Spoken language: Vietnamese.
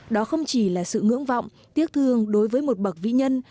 đó không chỉ là sự ngưỡng vọng tiếc thương đối với một bậc vĩ nhân